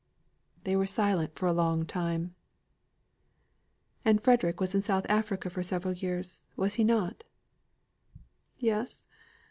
They were silent for a long time. "And Frederick was in South America for several years, was he not?" "Yes.